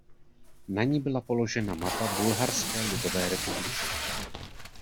Na ni byla položena mapa Bulharské lidové republiky.